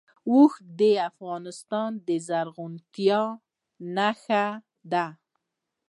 اوښ د افغانستان د زرغونتیا نښه ده.